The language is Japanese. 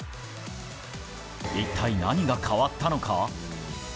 一体何が変わったのか？